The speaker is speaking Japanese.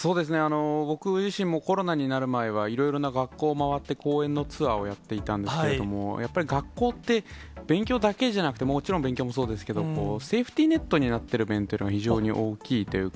僕自身もコロナになる前は、いろいろな学校を回って、講演のツアーをやっていたんですけれども、やっぱり学校って、勉強だけじゃなくて、もちろん勉強もそうですけど、セーフティーネットになってる面というのが非常に大きいというか。